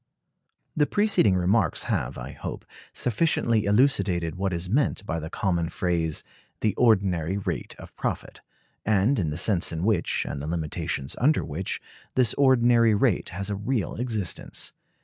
The preceding remarks have, I hope, sufficiently elucidated what is meant by the common phrase, "the ordinary rate of profit," and the sense in which, and the limitations under which, this ordinary rate has a real existence.